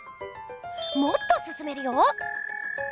もっとすすめるよ！